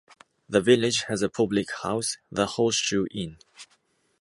The village has a public house, the "Horseshoe Inn".